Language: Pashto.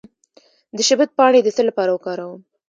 د شبت پاڼې د څه لپاره وکاروم؟